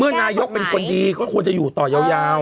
เมื่อนายกเป็นคนดีเขาต้องอยู่ต่อยาว